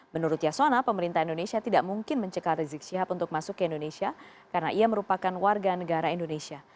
menurut yasona pemerintah indonesia tidak mungkin mencekar rizik syihab untuk masuk ke indonesia karena ia merupakan warga negara indonesia